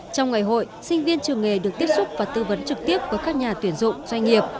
trong ngày hội sinh viên trường nghề được tiếp xúc và tư vấn trực tiếp với các nhà tuyển dụng doanh nghiệp